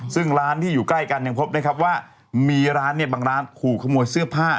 ซึ่งร้านที่อยู่ใกล้กันยังพบนะครับว่ามีร้านเนี่ยบางร้านขู่ขโมยเสื้อผ้า